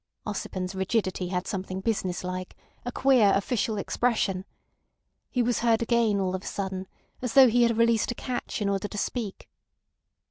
Ossipon's rigidity had something business like, a queer official expression. He was heard again all of a sudden, as though he had released a catch in order to speak.